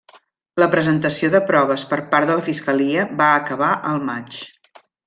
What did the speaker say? La presentació de proves per part de la fiscalia va acabar el maig.